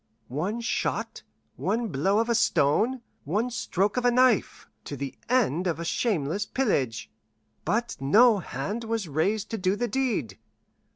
One shot, one blow of a stone, one stroke of a knife to the end of a shameless pillage. But no hand was raised to do the deed.